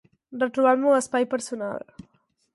Retrobar el meu espai personal.